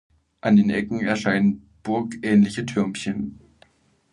An den Ecken erscheinen burgähnliche Türmchen.